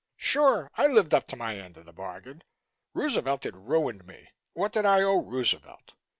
Sure I lived up to my end of the bargain. Roosevelt had ruined me. What did I owe Roosevelt?